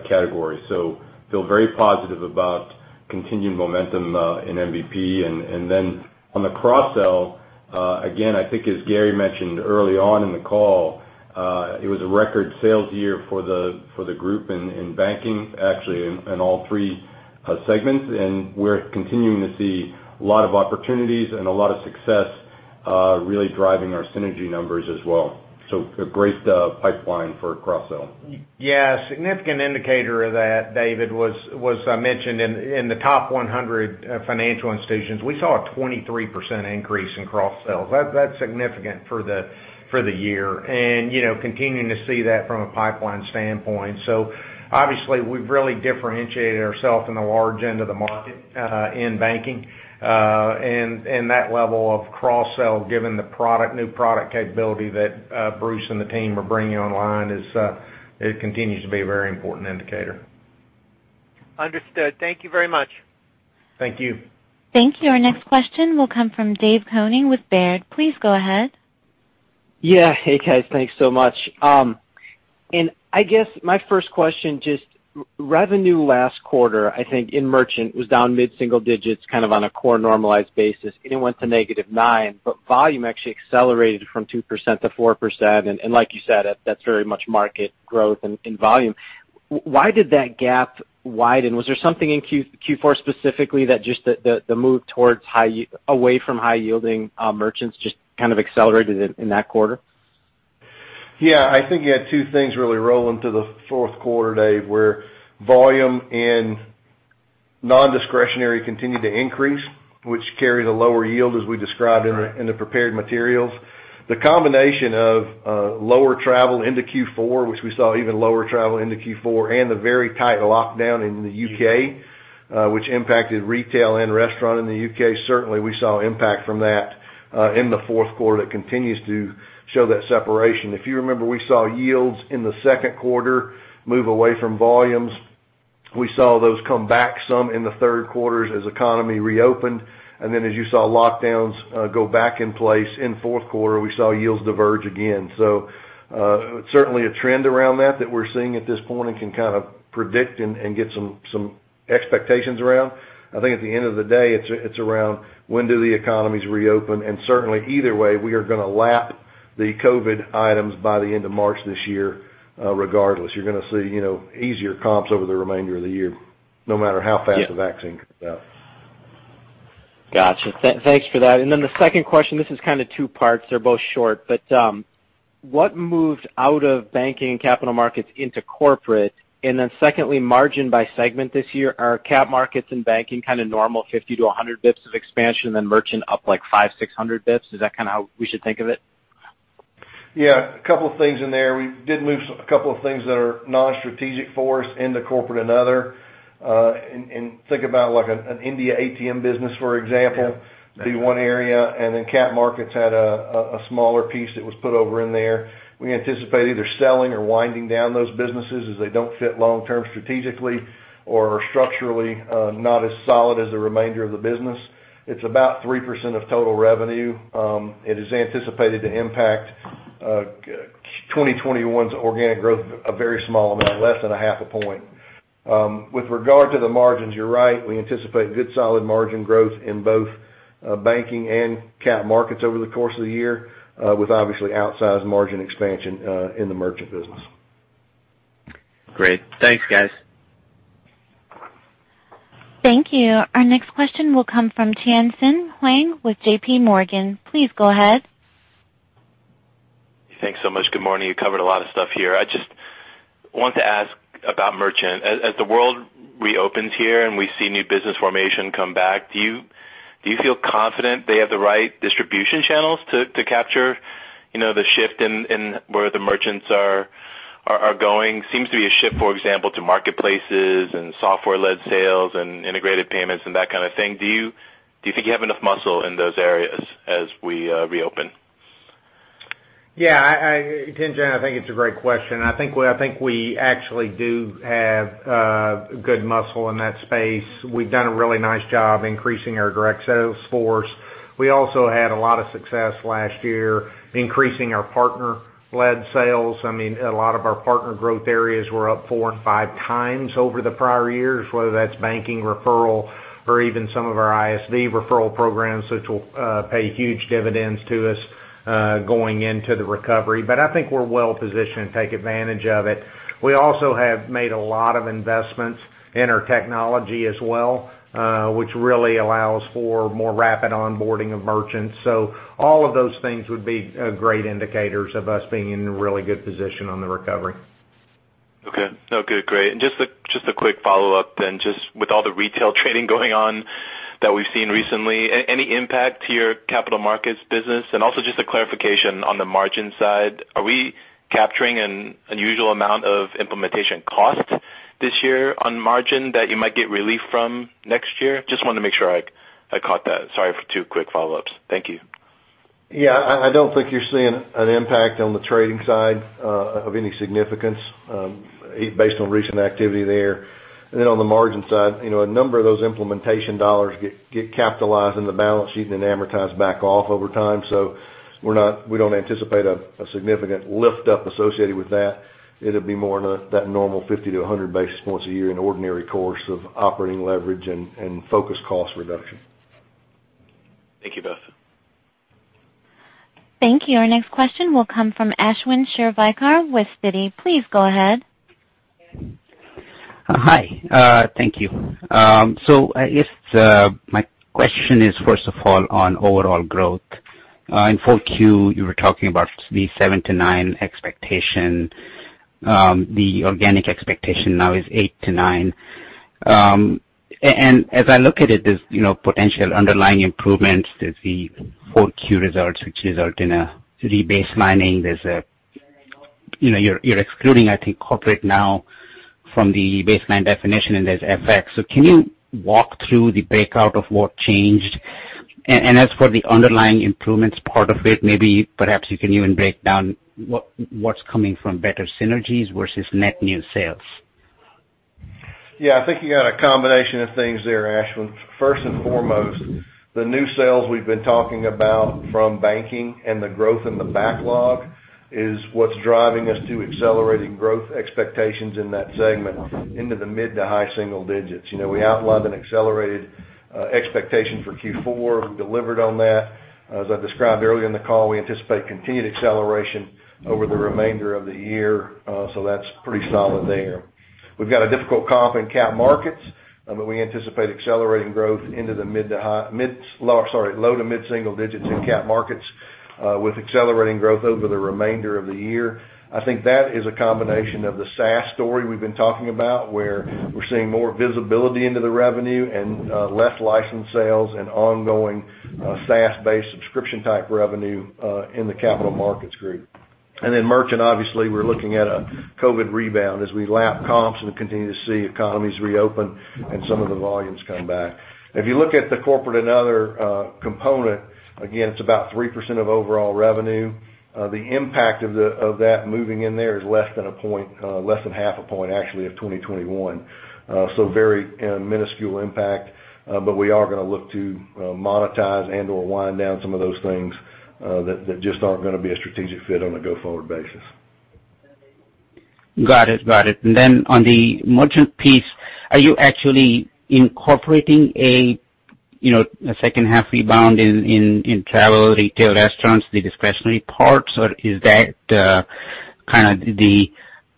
category. Feel very positive about continued momentum in MBP. On the cross-sell, again, I think as Gary mentioned early on in the call, it was a record sales year for the group in banking, actually in all three segments. We're continuing to see a lot of opportunities and a lot of success really driving our synergy numbers as well. A great pipeline for cross-sell. A significant indicator of that, David, was mentioned in the top 100 financial institutions. We saw a 23% increase in cross-sells. That's significant for the year and continuing to see that from a pipeline standpoint. Obviously we've really differentiated ourselves in the large end of the market in banking, and that level of cross-sell, given the new product capability that Bruce and the team are bringing online, it continues to be a very important indicator. Understood. Thank you very much. Thank you. Thank you. Our next question will come from Dave Koning with Baird. Please go ahead. Yeah. Hey, guys. Thanks so much. I guess my first question, just revenue last quarter, I think in merchant was down mid-single digits, kind of on a core normalized basis, and it went to negative nine. Volume actually accelerated from 2% to 4%, and like you said, that's very much market growth in volume. Why did that gap widen? Was there something in Q4 specifically that just the move away from high-yielding merchants just kind of accelerated in that quarter? I think you had two things really roll into the fourth quarter, Dave, where volume and non-discretionary continued to increase, which carry the lower yield as we described in the prepared materials. The combination of lower travel into Q4, which we saw even lower travel into Q4 and the very tight lockdown in the U.K., which impacted retail and restaurant in the U.K., certainly we saw impact from that in the fourth quarter that continues to show that separation. If you remember, we saw yields in the second quarter move away from volumes. We saw those come back some in the third quarters as economy reopened, and then as you saw lockdowns go back in place in fourth quarter, we saw yields diverge again. Certainly a trend around that that we're seeing at this point and can kind of predict and get some expectations around. I think at the end of the day, it's around when do the economies reopen, and certainly either way, we are going to lap the COVID items by the end of March this year regardless. You're going to see easier comps over the remainder of the year, no matter how fast the vaccine comes out. Got you. Thanks for that. The second question, this is kind of two parts. They're both short, what moved out of banking and Capital Markets into corporate? Secondly, margin by segment this year. Are Capital Markets and banking kind of normal 50-100 basis points of expansion, Merchant up like 500-600 basis points? Is that kind of how we should think of it? Yeah. A couple of things in there. We did move a couple of things that are non-strategic for us into corporate and other. Think about like an India ATM business, for example. Yeah. Would be one area, and then Cap Markets had a smaller piece that was put over in there. We anticipate either selling or winding down those businesses as they don't fit long-term strategically or are structurally not as solid as the remainder of the business. It's about 3% of total revenue. It is anticipated to impact 2021's organic growth a very small amount, less than a half a point. With regard to the margins, you're right. We anticipate good, solid margin growth in both Banking and Cap Markets over the course of the year, with obviously outsized margin expansion in the Merchant business. Great. Thanks, guys. Thank you. Our next question will come from Tien-Tsin Huang with JPMorgan. Please go ahead. Thanks so much. Good morning. You covered a lot of stuff here. I just want to ask about merchant. As the world reopens here and we see new business formation come back, do you feel confident they have the right distribution channels to capture the shift in where the merchants are going? Seems to be a shift, for example, to marketplaces and software-led sales and integrated payments and that kind of thing. Do you think you have enough muscle in those areas as we reopen? Yeah. Tien-Tsin, I think it's a great question. I think we actually do have good muscle in that space. We've done a really nice job increasing our direct sales force. We also had a lot of success last year increasing our partner-led sales. A lot of our partner growth areas were up four and five times over the prior years, whether that's banking referral or even some of our ISV referral programs, which will pay huge dividends to us going into the recovery. I think we're well-positioned to take advantage of it. We also have made a lot of investments in our technology as well, which really allows for more rapid onboarding of merchants. All of those things would be great indicators of us being in a really good position on the recovery. Okay. Great. Just a quick follow-up then. Just with all the retail trading going on that we've seen recently, any impact to your capital markets business? Also just a clarification on the margin side, are we capturing an unusual amount of implementation costs this year on margin that you might get relief from next year? Just wanted to make sure I caught that. Sorry for two quick follow-ups. Thank you. Yeah, I don't think you're seeing an impact on the trading side of any significance based on recent activity there. On the margin side, a number of those implementation dollar get capitalized on the balance sheet and then amortized back off over time. We don't anticipate a significant lift up associated with that. It'll be more that normal 50-100 basis points a year in ordinary course of operating leverage and focused cost reduction. Thank you both. Thank you. Our next question will come from Ashwin Shirvaikar with Citi. Please go ahead. Hi. Thank you. I guess my question is, first of all, on overall growth. In Q4, you were talking about the 7%-9% expectation. The organic expectation now is 8%-9%. As I look at it, there's potential underlying improvements. There's the Q4 results, which result in a re-baselining. You're excluding, I think, corporate now from the baseline definition, and there's FX. Can you walk through the breakout of what changed? As for the underlying improvements part of it, maybe perhaps you can even break down what's coming from better synergies versus net new sales? I think you got a combination of things there, Ashwin. First and foremost, the new sales we've been talking about from banking and the growth in the backlog is what's driving us to accelerating growth expectations in that segment into the mid to high single digits. We outlined an accelerated expectation for Q4. We delivered on that. As I described earlier in the call, we anticipate continued acceleration over the remainder of the year. That's pretty solid there. We've got a difficult comp in cap markets, but we anticipate accelerating growth into the low to mid single digits in cap markets, with accelerating growth over the remainder of the year. I think that is a combination of the SaaS story we've been talking about, where we're seeing more visibility into the revenue and less license sales and ongoing SaaS-based subscription-type revenue in the capital markets group. Merchant, obviously, we're looking at a COVID rebound as we lap comps and continue to see economies reopen and some of the volumes come back. If you look at the corporate and other component, again, it's about 3% of overall revenue. The impact of that moving in there is less than a point, less than half a point, actually, of 2021. Very minuscule impact. We are going to look to monetize and/or wind down some of those things that just aren't going to be a strategic fit on a go-forward basis. Got it. On the merchant piece, are you actually incorporating a second half rebound in travel, retail, restaurants, the discretionary parts, or is that kind of the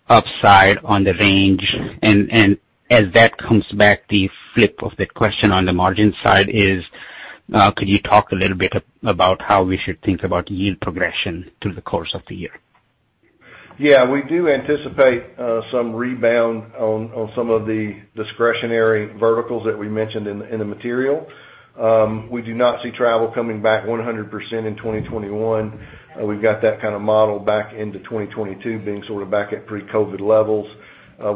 upside on the range? As that comes back, the flip of that question on the margin side is, could you talk a little bit about how we should think about yield progression through the course of the year? We do anticipate some rebound on some of the discretionary verticals that we mentioned in the material. We do not see travel coming back 100% in 2021. We've got that kind of model back into 2022 being sort of back at pre-COVID levels.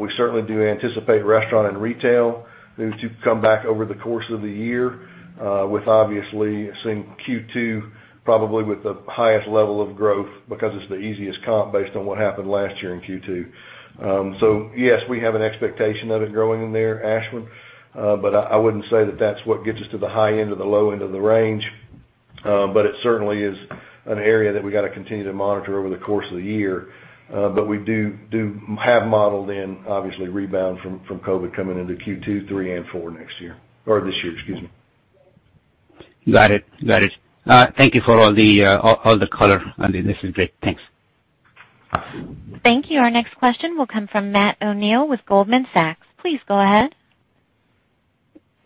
We certainly do anticipate restaurant and retail, those two come back over the course of the year, with obviously seeing Q2 probably with the highest level of growth because it's the easiest comp based on what happened last year in Q2. Yes, we have an expectation of it growing in there, Ashwin, but I wouldn't say that that's what gets us to the high end or the low end of the range. It certainly is an area that we've got to continue to monitor over the course of the year. We do have modeled in, obviously, rebound from COVID coming into Q2, three, and four next year, or this year, excuse me. Got it. Thank you for all the color on this. This is great. Thanks. Thank you. Our next question will come from Matt O'Neill with Goldman Sachs. Please go ahead.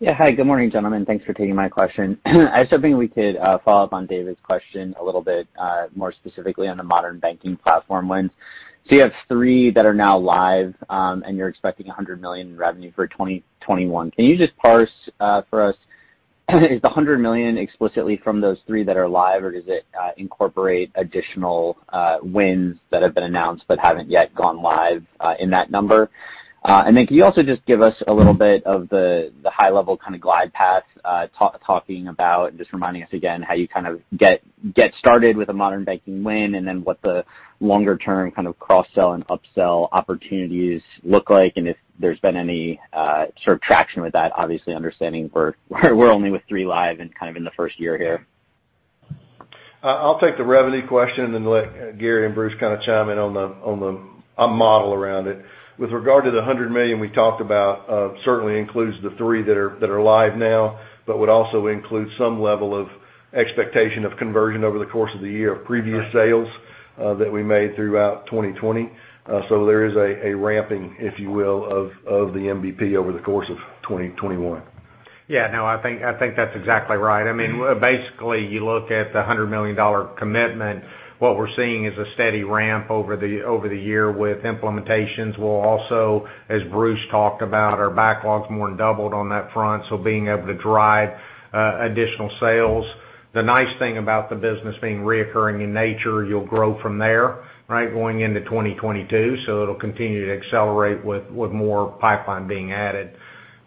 Hi, good morning, gentlemen. Thanks for taking my question. I was hoping we could follow up on David's question a little bit, more specifically on the Modern Banking Platform ones. You have three that are now live, and you're expecting $100 million in revenue for 2021. Can you just parse for us, is the $100 million explicitly from those three that are live or does it incorporate additional wins that have been announced but haven't yet gone live in that number? Can you also just give us a little bit of the high level kind of glide path, talking about, just reminding us again how you kind of get started with a Modern Banking win and then what the longer term kind of cross-sell and up-sell opportunities look like and if there's been any sort of traction with that obviously understanding we're only with three live and kind of in the first year here. I'll take the revenue question and then let Gary and Bruce kind of chime in on the model around it. With regard to the $100 million we talked about, certainly includes the three that are live now, but would also include some level of expectation of conversion over the course of the year of previous sales that we made throughout 2020. There is a ramping, if you will, of the MBP over the course of 2021. Yeah, no, I think that's exactly right. Basically, you look at the $100 million commitment, what we're seeing is a steady ramp over the year with implementations. We'll also, as Bruce talked about, our backlogs more than doubled on that front, so being able to drive additional sales. The nice thing about the business being recurring in nature, you'll grow from there, right, going into 2022. It'll continue to accelerate with more pipeline being added.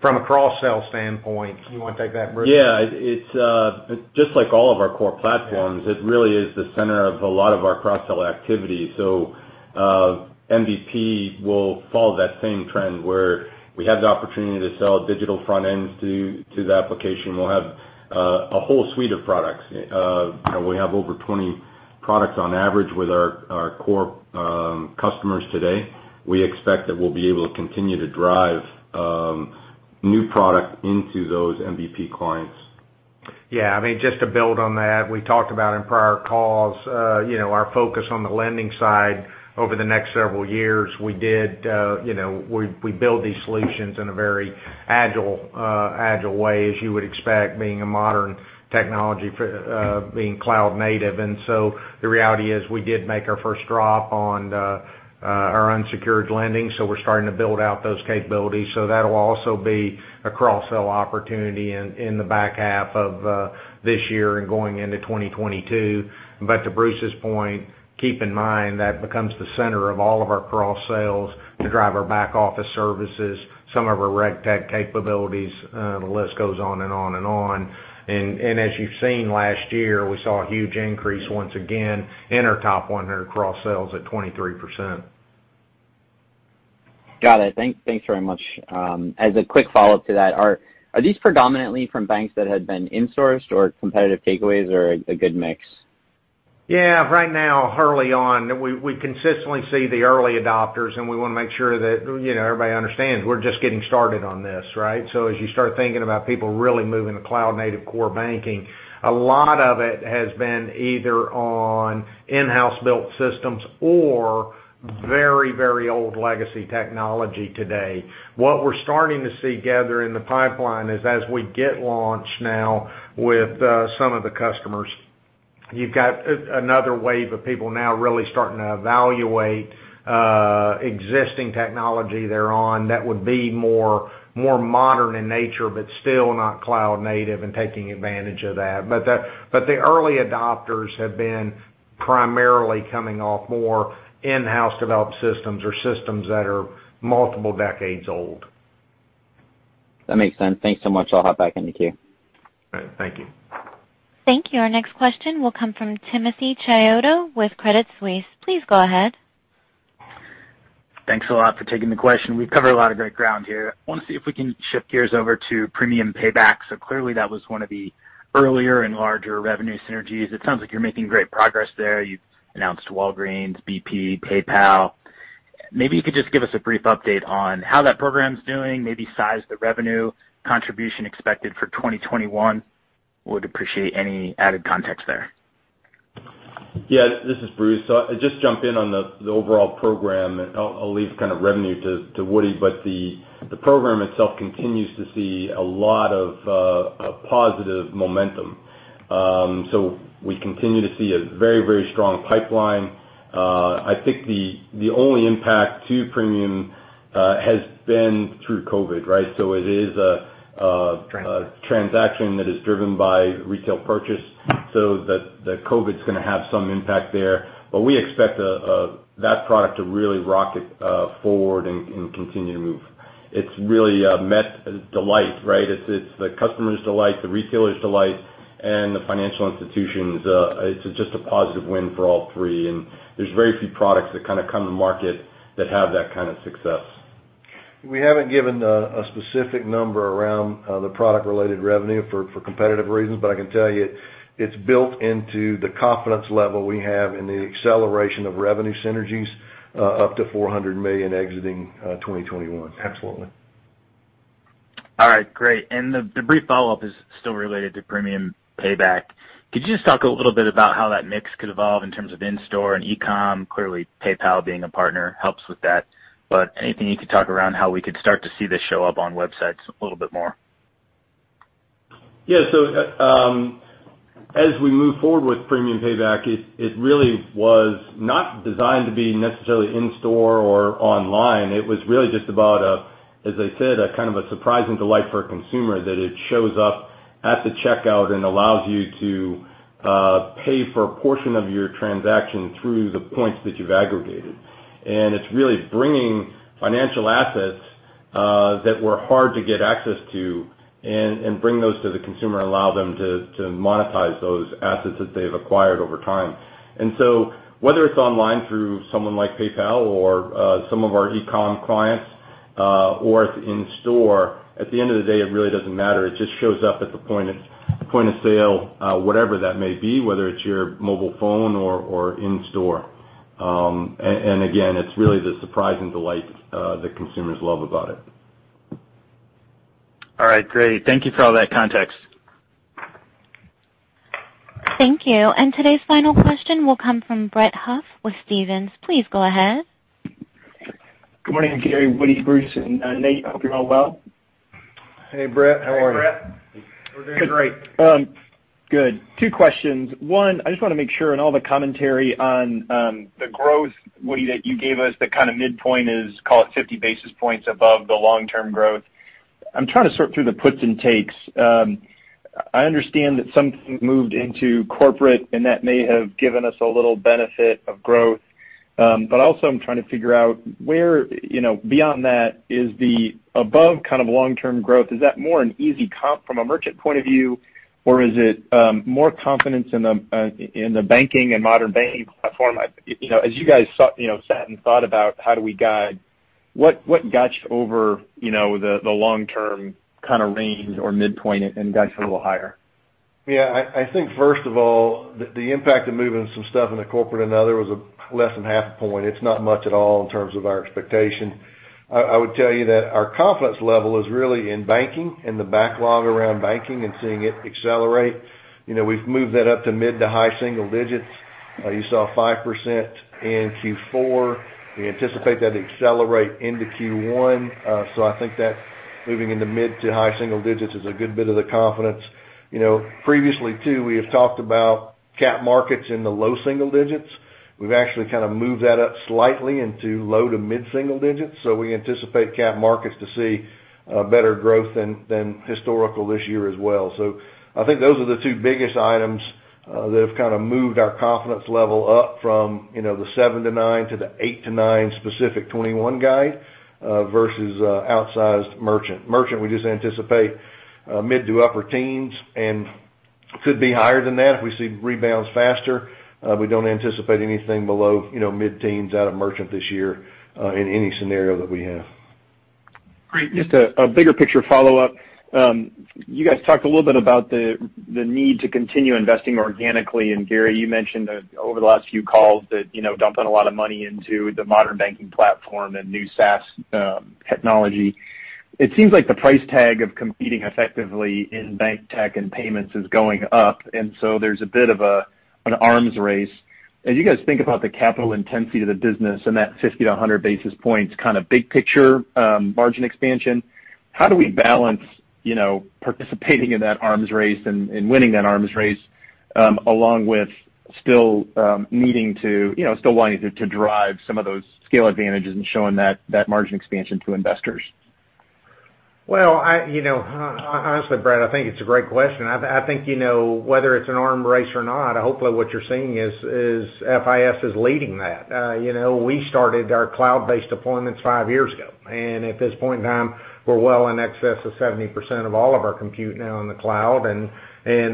From a cross-sell standpoint, do you want to take that, Bruce? Yeah. It's just like all of our core platforms. Yeah. It really is the center of a lot of our cross-sell activity. MBP will follow that same trend where we have the opportunity to sell digital front ends to the application. We'll have a whole suite of products. We have over 20 products on average with our core customers today. We expect that we'll be able to continue to drive new product into those MBP clients. Yeah. Just to build on that, we talked about in prior calls, our focus on the lending side over the next several years. We build these solutions in a very agile way, as you would expect, being a modern technology, being cloud-native. The reality is, we did make our first drop on our unsecured lending, so we're starting to build out those capabilities. That'll also be a cross-sell opportunity in the back half of this year and going into 2022. To Bruce's point, keep in mind that becomes the center of all of our cross-sells to drive our back office services, some of our RegTech capabilities. The list goes on and on and on. As you've seen last year, we saw a huge increase once again in our top 100 cross-sells at 23%. Got it. Thanks very much. As a quick follow-up to that, are these predominantly from banks that had been insourced or competitive takeaways or a good mix? Right now, early on, we consistently see the early adopters, and we want to make sure that everybody understands we're just getting started on this, right? As you start thinking about people really moving to cloud-native core banking, a lot of it has been either on in-house built systems or very, very old legacy technology today. What we're starting to see gather in the pipeline is as we get launched now with some of the customers, you've got another wave of people now really starting to evaluate existing technology they're on that would be more modern in nature, but still not cloud-native and taking advantage of that. The early adopters have been primarily coming off more in-house developed systems or systems that are multiple decades old. That makes sense. Thanks so much. I'll hop back in the queue. All right. Thank you. Thank you. Our next question will come from Timothy Chiodo with Credit Suisse. Please go ahead. Thanks a lot for taking the question. We've covered a lot of great ground here. I want to see if we can shift gears over to Premium Payback. Clearly that was one of the earlier and larger revenue synergies. It sounds like you're making great progress there. You've announced Walgreens, BP, PayPal. Maybe you could just give us a brief update on how that program's doing, maybe size the revenue contribution expected for 2021. Would appreciate any added context there. Yeah, this is Bruce. I'll just jump in on the overall program, and I'll leave revenue to Woody. The program itself continues to see a lot of positive momentum. We continue to see a very strong pipeline. I think the only impact to Premium has been through COVID, right? Transaction. Transaction that is driven by retail purchase. The COVID's going to have some impact there. We expect that product to really rocket forward and continue to move. It's really met delight, right? It's the customer's delight, the retailer's delight, and the financial institution's. It's just a positive win for all three. There's very few products that come to market that have that kind of success. We haven't given a specific number around the product-related revenue for competitive reasons, but I can tell you it's built into the confidence level we have in the acceleration of revenue synergies up to $400 million exiting 2021. Absolutely. All right, great. The brief follow-up is still related to Premium Payback. Could you just talk a little bit about how that mix could evolve in terms of in-store and e-com? Clearly, PayPal being a partner helps with that, but anything you could talk around how we could start to see this show up on websites a little bit more? As we move forward with Premium Payback, it really was not designed to be necessarily in store or online. It was really just about, as I said, a kind of a surprise and delight for a consumer that it shows up at the checkout and allows you to pay for a portion of your transaction through the points that you've aggregated. It's really bringing financial assets that were hard to get access to and bring those to the consumer and allow them to monetize those assets that they've acquired over time. Whether it's online through someone like PayPal or some of our e-commerce clients, or it's in store, at the end of the day, it really doesn't matter. It just shows up at the point of sale, whatever that may be, whether it's your mobile phone or in store. Again, it's really the surprise and delight that consumers love about it. All right, great. Thank you for all that context. Thank you. Today's final question will come from Brett Huff with Stephens. Please go ahead. Good morning, Gary, Woody, Bruce, and Nate. Hope you're all well. Hey, Brett. How are you? Hey, Brett. We're doing great. Good. Two questions. One, I just want to make sure in all the commentary on the growth, Woody, that you gave us, the kind of midpoint is, call it 50 basis points above the long-term growth. I'm trying to sort through the puts and takes. I understand that some things moved into corporate, and that may have given us a little benefit of growth. Also, I'm trying to figure out where, beyond that, is the above kind of long-term growth, is that more an easy comp from a merchant point of view, or is it more confidence in the banking and Modern Banking Platform? As you guys sat and thought about how do we guide, what got you over the long-term kind of range or midpoint and got you a little higher? Yeah, I think first of all, the impact of moving some stuff into corporate and other was less than half a point. It's not much at all in terms of our expectation. I would tell you that our confidence level is really in banking and the backlog around banking and seeing it accelerate. We've moved that up to mid to high single digits. You saw 5% in Q4. We anticipate that to accelerate into Q1. I think that moving into mid to high single digits is a good bit of the confidence. Previously, too, we have talked about cap markets in the low single digits. We've actually moved that up slightly into low to mid single digits. We anticipate cap markets to see better growth than historical this year as well. I think those are the two biggest items that have moved our confidence level up from the 7%-9% to the 8%-9% specific 2021 guide versus outsized merchant. Merchant, we just anticipate mid to upper teens, and could be higher than that if we see rebounds faster. We don't anticipate anything below mid-teens out of merchant this year in any scenario that we have. Great. Just a bigger picture follow-up. You guys talked a little bit about the need to continue investing organically, Gary, you mentioned over the last few calls that dumping a lot of money into the Modern Banking Platform and new SaaS technology. It seems like the price tag of competing effectively in bank tech and payments is going up, and so there's a bit of an arms race. As you guys think about the capital intensity of the business and that 50-100 basis points kind of big picture margin expansion, how do we balance participating in that arms race and winning that arms race along with still wanting to drive some of those scale advantages and showing that margin expansion to investors? Well, honestly, Brett, I think it's a great question. I think whether it's an arms race or not, hopefully what you're seeing is FIS is leading that. We started our cloud-based deployments five years ago, and at this point in time, we're well in excess of 70% of all of our compute now in the cloud, and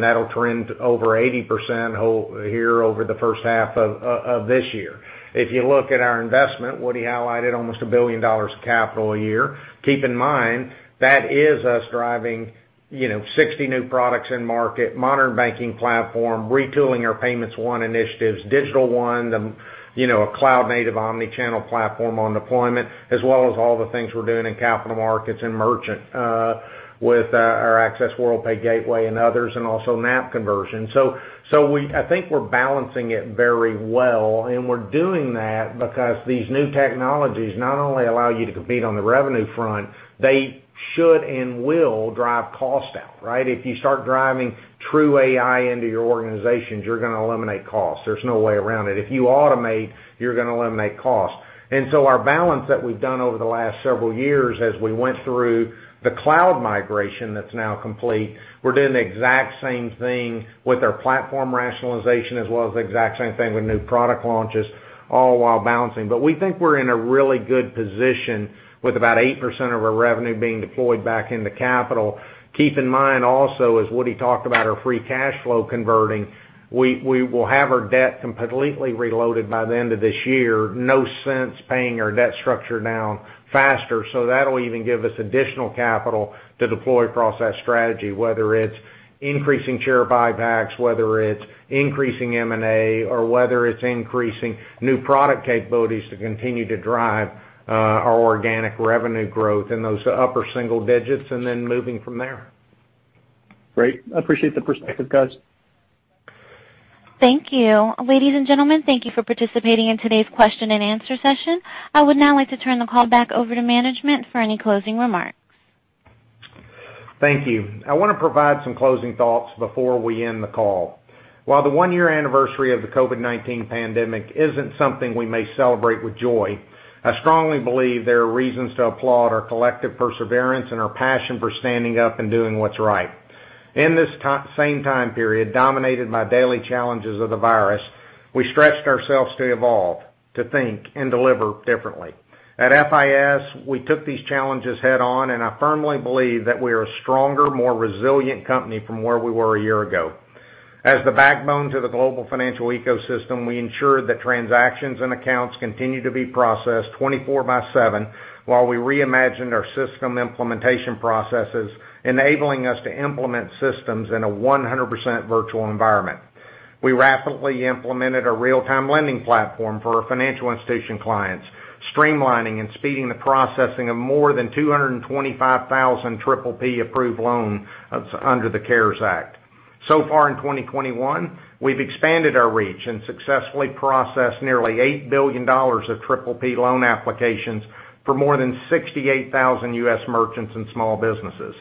that'll trend over 80% here over the first half of this year. If you look at our investment, Woody highlighted almost a billion dollars of capital a year. Keep in mind, that is us driving 60 new products in market, Modern Banking Platform, retooling our Payments One initiatives, Digital One, a cloud-native omni-channel platform on deployment, as well as all the things we're doing in capital markets and merchant with our Access Worldpay gateway and others, and also NAP conversion. I think we're balancing it very well, and we're doing that because these new technologies not only allow you to compete on the revenue front, they should and will drive cost out, right? If you start driving true AI into your organizations, you're going to eliminate costs. There's no way around it. If you automate, you're going to eliminate costs. Our balance that we've done over the last several years as we went through the cloud migration that's now complete, we're doing the exact same thing with our platform rationalization as well as the exact same thing with new product launches, all while balancing. We think we're in a really good position with about 8% of our revenue being deployed back into capital. Keep in mind also, as Woody talked about our free cash flow converting, we will have our debt completely reloaded by the end of this year. No sense paying our debt structure down faster. That'll even give us additional capital to deploy across that strategy, whether it's increasing share buybacks, whether it's increasing M&A, or whether it's increasing new product capabilities to continue to drive our organic revenue growth in those upper single digits and then moving from there. Great. I appreciate the perspective, guys. Thank you. Ladies and gentlemen, thank you for participating in today's question-and-answer session. I would now like to turn the call back over to management for any closing remarks. Thank you. I want to provide some closing thoughts before we end the call. While the one-year anniversary of the COVID-19 pandemic isn't something we may celebrate with joy, I strongly believe there are reasons to applaud our collective perseverance and our passion for standing up and doing what's right. In this same time period dominated by daily challenges of the virus, we stretched ourselves to evolve, to think, and deliver differently. At FIS, we took these challenges head on, and I firmly believe that we are a stronger, more resilient company from where we were a year ago. As the backbone to the global financial ecosystem, we ensured that transactions and accounts continued to be processed 24 by seven while we reimagined our system implementation processes, enabling us to implement systems in a 100% virtual environment. We rapidly implemented a real-time lending platform for our financial institution clients, streamlining and speeding the processing of more than 225,000 PPP approved loans under the CARES Act. In 2021, we've expanded our reach and successfully processed nearly $8 billion of PPP loan applications for more than 68,000 U.S. merchants and small businesses.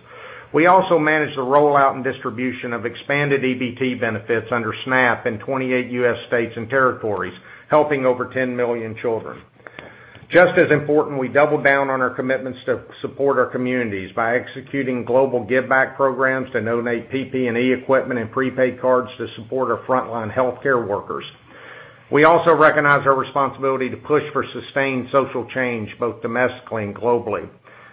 We also managed the rollout and distribution of expanded EBT benefits under SNAP in 28 U.S. states and territories, helping over 10 million children. Just as important, we doubled down on our commitments to support our communities by executing global giveback programs to donate PPE equipment and prepaid cards to support our frontline healthcare workers. We also recognize our responsibility to push for sustained social change, both domestically and globally.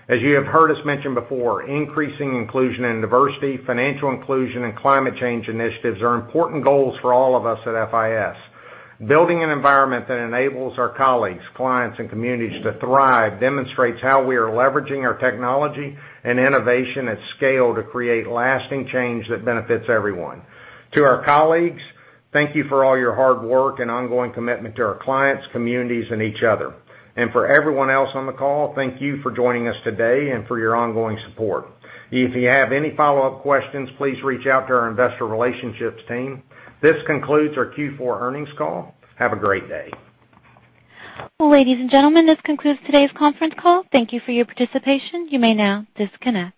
As you have heard us mention before, increasing inclusion and diversity, financial inclusion, and climate change initiatives are important goals for all of us at FIS. Building an environment that enables our colleagues, clients, and communities to thrive demonstrates how we are leveraging our technology and innovation at scale to create lasting change that benefits everyone. To our colleagues, thank you for all your hard work and ongoing commitment to our clients, communities, and each other. For everyone else on the call, thank you for joining us today and for your ongoing support. If you have any follow-up questions, please reach out to our investor relationships team. This concludes our Q4 earnings call. Have a great day. Ladies and gentlemen, this concludes today's conference call. Thank you for your participation. You may now disconnect.